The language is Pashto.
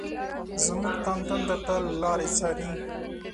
زمونږ تن تن درته لاري څاري